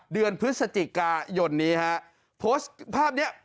เดือนพฤศจิกายนนี้ฮะโพสต์ภาพเนี้ย